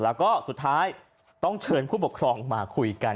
แล้วก็สุดท้ายต้องเชิญผู้ปกครองมาคุยกัน